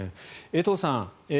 江藤さん